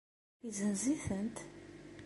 Yezenz-itent?